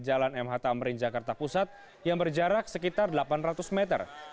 jalan mh tamrin jakarta pusat yang berjarak sekitar delapan ratus meter